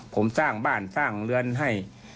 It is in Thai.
ผมสร้างบ้านสร้างเรือนให้